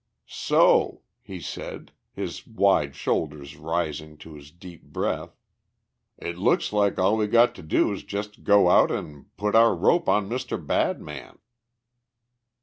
"So," he said, his wide shoulders rising to his deep breath, "it looks like all we got to do is just go out and put our rope on Mr. Badman!"